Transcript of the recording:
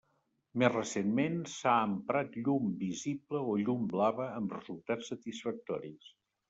Més recentment, s'ha emprat llum visible o llum blava amb resultats satisfactoris.